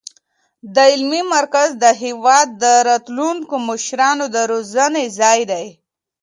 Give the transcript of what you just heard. دا علمي مرکز د هېواد د راتلونکو مشرانو د روزنې ځای دی.